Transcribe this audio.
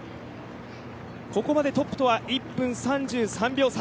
ここまでトップとは１分３３秒差。